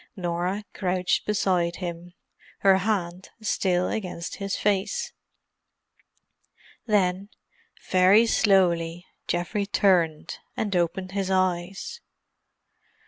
Norah crouched beside him, her hand still against his face. Then, very slowly, Geoffrey turned, and opened his eyes.